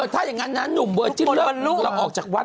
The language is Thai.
ถ้าอย่างนั้นนุ่มเวอร์จิ้นเราออกจากวัด